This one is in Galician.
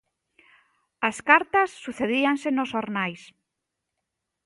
As cartas sucedíanse nos xornais.